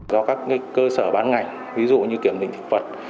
do các cơ sở bán ngành ví dụ như kiểm định thực vật